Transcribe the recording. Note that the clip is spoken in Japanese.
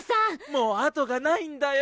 もうあとがないんだよ！